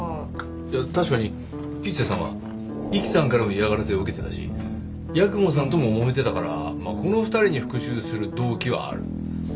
いや確かに吉瀬さんは壱岐さんからも嫌がらせを受けてたし八雲さんとも揉めてたからこの２人に復讐する動機はある。